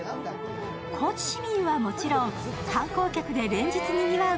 高知市民はもちろん、観光客で連日にぎわう